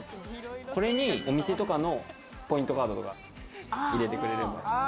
これにお店とかのポイントカードとか入れてくれれば。